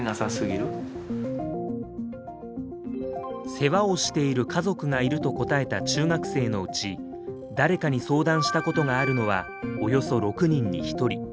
世話をしている家族がいると答えた中学生のうち誰かに相談したことがあるのはおよそ６人に１人。